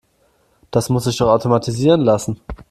Das muss sich doch automatisieren lassen.